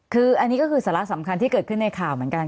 คืออันนี้ก็คือสาระสำคัญที่เกิดขึ้นในข่าวเหมือนกัน